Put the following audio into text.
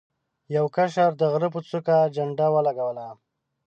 یو کشر د غره په څوکه جنډه ولګوله.